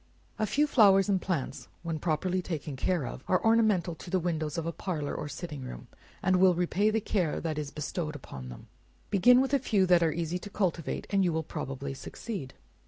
A few flowers and plants, when properly taken care of, are ornamental to the windows of a parlor, or sitting room; and will repay the care that is bestowed on them. Begin with a few that are easy to cultivate, and you will probably succeed.